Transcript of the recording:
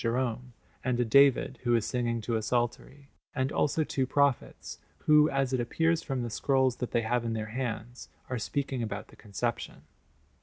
Jerome, and a David who is singing to a psaltery; and also two prophets, who, as it appears from the scrolls that they have in their hands, are speaking about the Conception.